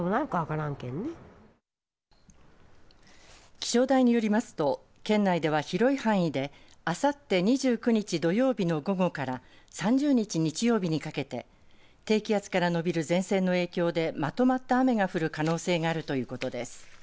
気象台によりますと県内では広い範囲であさって２９日土曜日の午後から３０日、日曜日にかけて低気圧から伸びる前線の影響でまとまった雨が降る可能性があるということです。